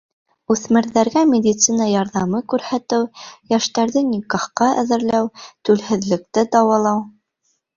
Үҫмерҙәргә медицина ярҙамы күрһәтеү, йәштәрҙе никахҡа әҙерләү, түлһеҙлекте дауалау...